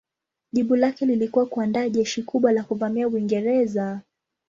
Jibu lake lilikuwa kuandaa jeshi kubwa la kuvamia Uingereza.